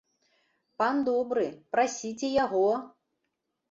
Пан добры, прасіце яго!